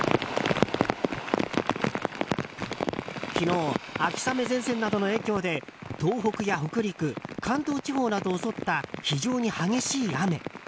昨日、秋雨前線などの影響で東北や北陸関東地方などを襲った非常に激しい雨。